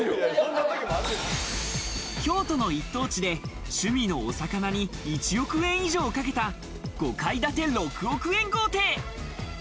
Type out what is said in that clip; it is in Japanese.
京都の一等地で趣味のお魚に１億円以上かけた５階建て６億円豪邸。